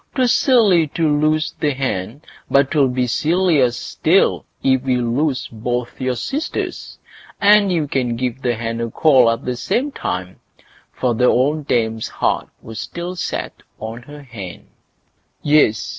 'Twas silly to lose the hen, but 'twill be sillier still if we lose both your sisters; and you can give the hen a call at the same time"—for the old dame's heart was still set on her hen. Yes!